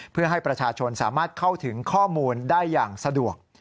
เพื่อให้ประชาชนสามารถเข้าถึงข้อมูลได้อย่างสะดวก